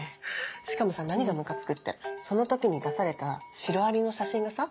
しかもさ何がムカつくってその時に出されたシロアリの写真がさ